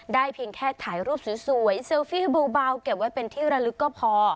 เพียงแค่ถ่ายรูปสวยเซลฟี่เบาเก็บไว้เป็นที่ระลึกก็พอ